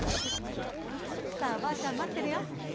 さあおばあちゃんまってるよ。